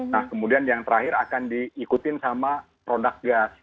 nah kemudian yang terakhir akan diikutin sama produk gas